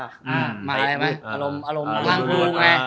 อ่าหมายอะไรไหมอารมณ์อารมณ์ภังคลุมไง